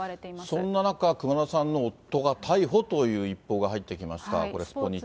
そんな中、熊田さんの夫が逮捕という一報が入ってきました。